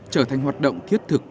trở thành hoạt động thiết thực